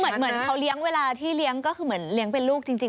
เหมือนเขาเลี้ยงเวลาที่เลี้ยงก็คือเหมือนเลี้ยงเป็นลูกจริง